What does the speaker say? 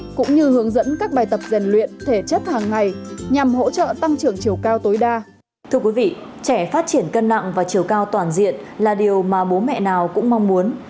thưa quý vị trẻ phát triển cân nặng và chiều cao toàn diện là điều mà bố mẹ nào cũng mong muốn